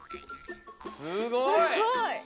すごい！